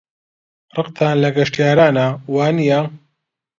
ڕقتان لە گەشتیارانە، وانییە؟